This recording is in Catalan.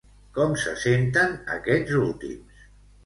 Com se senten aquests últims?